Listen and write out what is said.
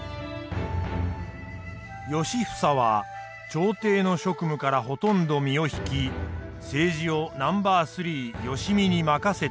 良房は朝廷の職務からほとんど身を引き政治をナンバー３良相に任せていた。